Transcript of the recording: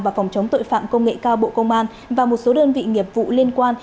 và phòng chống tội phạm công nghệ cao bộ công an và một số đơn vị nghiệp vụ liên quan